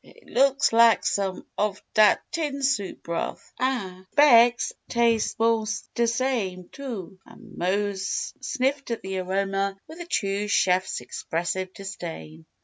It looks lak some ov dat tin soup broth! Ah spec's hit'll tas' mos' de same, too," and Mose sniffed at the aroma with a true chef's expressive disdain.